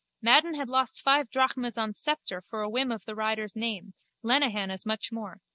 Madden had lost five drachmas on Sceptre for a whim of the rider's name: Lenehan as much more.